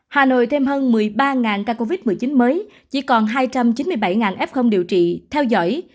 hà nội thêm hơn một mươi ba ca covid một mươi chín mới chỉ còn hai trăm chín mươi bảy f điều trị theo dõi